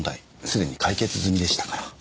すでに解決済みでしたから。